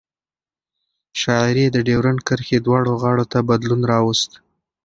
شاعري یې د ډیورند کرښې دواړو غاړو ته بدلون راوست.